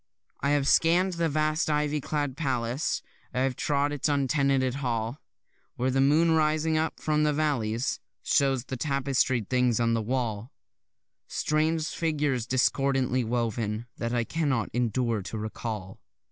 I have scann'd the vast ivy clad palace, I have trod its untenanted hall, Where the moon writhing up from the valleys Shows the tapestried things on the wall; Strange figures discordantly woven, that I cannot endure to recall.